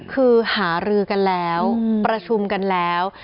คือหารือกันแล้วประชุมกันแล้ว